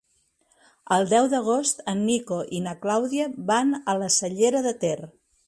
El deu d'agost en Nico i na Clàudia van a la Cellera de Ter.